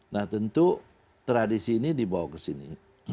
nah tentu tradisi ini dibawa ke sini